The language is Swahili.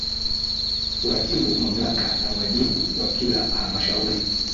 Kuratibu Mamlaka na wajibu wa kila Halmashauri